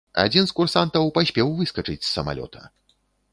Адзін з курсантаў паспеў выскачыць з самалёта.